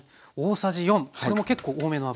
これも結構多めの油？